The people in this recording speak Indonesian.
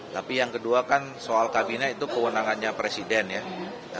tapi yang kedua kan soal kabinet itu kewenangannya presiden ya